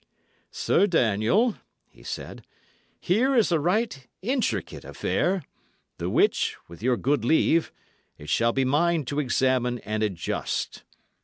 "Sir Daniel," he said, "here is a right intricate affair, the which, with your good leave, it shall be mine to examine and adjust.